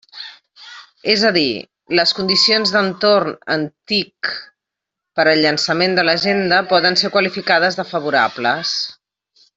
És a dir, les condicions d'entorn en TIC per al llançament de l'Agenda poden ser qualificades de favorables.